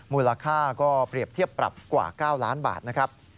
มูลค่าก็เปรียบเทียบปรับกว่า๙ล้านบาทนะครับ